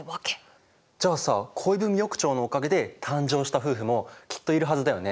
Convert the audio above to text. じゃあさ恋文横丁のおかげで誕生した夫婦もきっといるはずだよね。